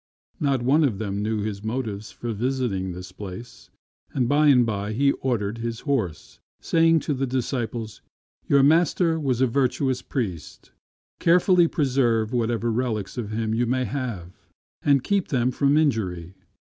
Not one of them knew his motives for visiting this place ; and by and by he ordered his horse, saying to the disciples, "Your master was a virtuous priest. Carefully preserve whatever relics of him you may have, and keep them from injury."